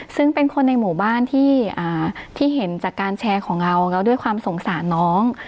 ซึ่งเป็นคนในหมู่บ้านที่เห็นจากการแชร์ของเราแล้วด้วยความสงสารน้อง